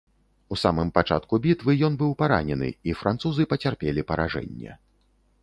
У самым пачатку бітвы ён быў паранены, і французы пацярпелі паражэнне.